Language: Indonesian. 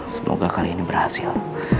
semoga kali ini berhasil